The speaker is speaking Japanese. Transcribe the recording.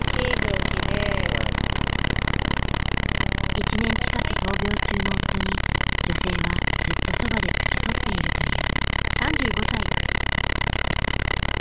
１年近く闘病中の夫に女性はずっとそばで付き添っているという。